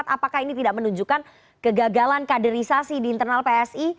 apakah ini tidak menunjukkan kegagalan kaderisasi di internal psi